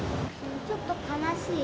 ちょっと悲しい。